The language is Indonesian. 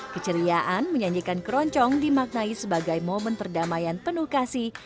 keceriaan menyanyikan keroncong dimaknai sebagai momen perdamaian penuh kasih